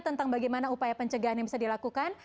tentang bagaimana upaya pencegahan yang bisa dilakukan